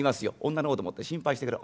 女の方でもって心配してくれる。